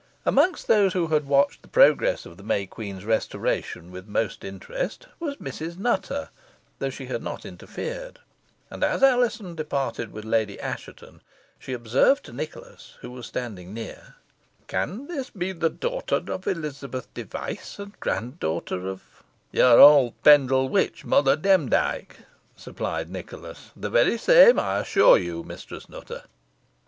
Amongst those who had watched the progress of the May Queen's restoration with most interest was Mistress Nutter, though she had not interfered; and as Alizon departed with Lady Assheton, she observed to Nicholas, who was standing near, "Can this be the daughter of Elizabeth Device, and grand daughter of " "Your old Pendle witch, Mother Demdike," supplied Nicholas; "the very same, I assure you, Mistress Nutter."